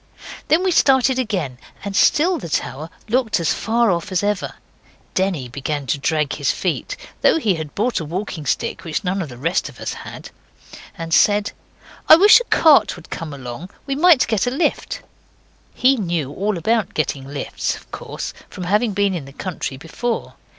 Then we started again, and still the tower looked as far off as ever. Denny began to drag his feet, though he had brought a walking stick which none of the rest of us had, and said 'I wish a cart would come along. We might get a lift.' He knew all about getting lifts, of course, from having been in the country before.